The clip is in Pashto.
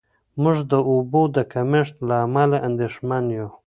موږ د اوبو د کمښت له امله اندېښمن یو.